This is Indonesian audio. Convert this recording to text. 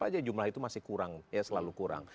aja jumlah itu masih kurang ya selalu kurang